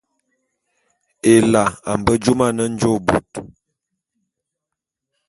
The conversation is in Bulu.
Ela a mbe jôm ane njôô bôt.